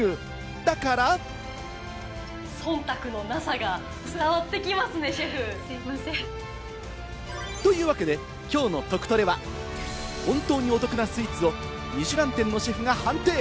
だから。というわけで、きょうのトクトレは、本当にお得なスイーツをミシュラン店のシェフが判定！